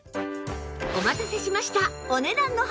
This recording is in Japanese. お待たせしました